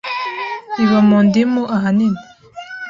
iba mu ndimu ahanini